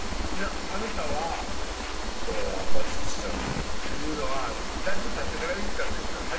はいあなたは「俺はバツ１なんだ」というのはだいぶんたってから言うたんですか？